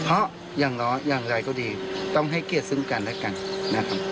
อะอย่างเถอะอย่างไรก็ดีต้องให้เกลียดซึ่งกันแล้วกันนะครับ